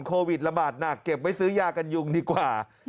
โควิดระบาดหนักเก็บไว้ซื้อยากันยุงดีกว่า